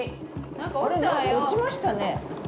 何か落ちましたね。